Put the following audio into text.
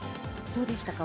どうでしたか？